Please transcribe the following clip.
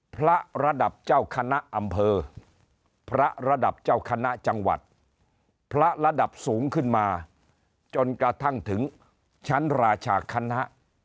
ระดับเจ้าคณะอำเภอพระระดับเจ้าคณะจังหวัดพระระดับสูงขึ้นมาจนกระทั่งถึงชั้นราชาคณะ